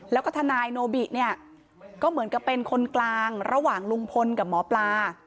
แล้วก็ทนายโนบิเนี่ยก็เหมือนกับเป็นคนกลางระหว่างลุงพลกับหมอปลา